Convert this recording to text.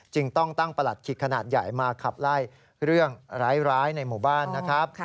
จึงต้องตั้งประหลัดขิกขนาดใหญ่มาขับไล่เรื่องร้ายในหมู่บ้านนะครับ